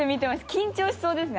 緊張しそうですね。